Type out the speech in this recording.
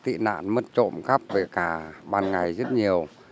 tị nạn mất trộm khắp về cả ban ngày rất nhiều